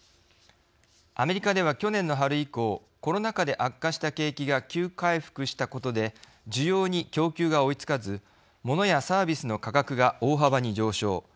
アメリカでは、去年の春以降コロナ禍で悪化した景気が急回復したことで需要に供給が追いつかずモノやサービスの価格が大幅に上昇。